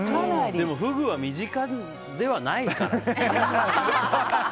でも、フグは身近ではないから。